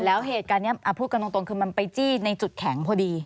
แล้วเหตุการณ์นี้พูดกันตรงคือมันไปจี้ในจุดแข็งพอดี